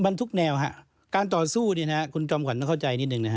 มันทุกแนวค่ะการต่อสู้คุณจอมขวัญเข้าใจนิดนึง